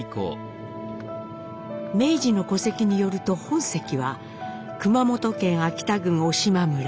明治の戸籍によると本籍は熊本県飽田郡小島村。